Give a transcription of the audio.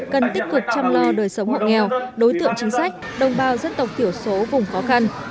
cần tích cực chăm lo đời sống hộ nghèo đối tượng chính sách đồng bào dân tộc tiểu số vùng khó khăn